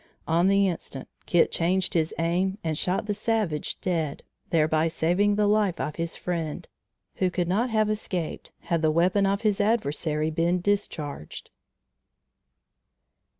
On the instant, Kit changed his aim and shot the savage dead, thereby saving the life of his friend, who could not have escaped had the weapon of his adversary been discharged.